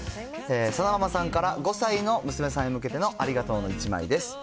さなママさんから５歳の娘さんに向けての、ありがとうの１枚です。